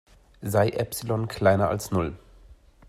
Sei Epsilon kleiner als Null.